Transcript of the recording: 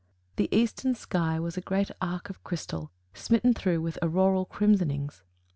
"The Eastern sky was a great arc of crystal, smitten through with auroral crimsonings."